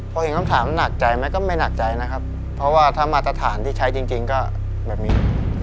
พอเห็นคำถามหนักใจไหมก็ไม่หนักใจนะครับเพราะว่าถ้ามาตรฐานที่ใช้จริงก็แบบนี้